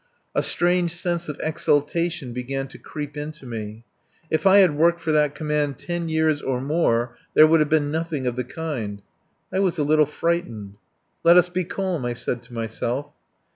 A strange sense of exultation began to creep into me. If I had worked for that command ten years or more there would have been nothing of the kind. I was a little frightened. "Let us be calm," I said to myself.